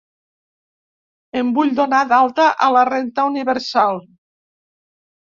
Em vull donar d'alta a la renta universal.